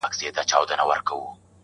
انصاف نه دی شمه وایې چي لقب د قاتل راکړﺉ,